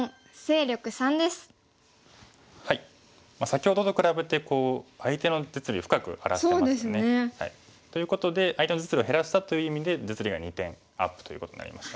先ほどと比べて相手の実利を深く荒らしてますね。ということで相手の実利を減らしたという意味で実利が２点アップということになりましたね。